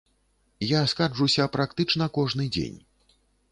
Я скарджуся практычна кожны дзень.